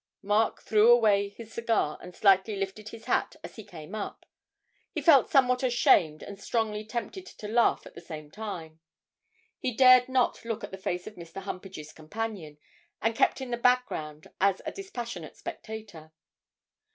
Mark threw away his cigar, and slightly lifted his hat as he came up: he felt somewhat ashamed and strongly tempted to laugh at the same time; he dared not look at the face of Mr. Humpage's companion, and kept in the background as a dispassionate spectator.